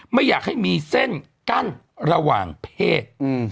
ไม่อยากให้มีเส้นกั้นระหว่างเพศ